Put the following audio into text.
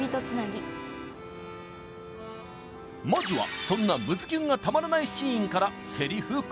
つなぎまずはそんなムズキュンがたまらないシーンからセリフ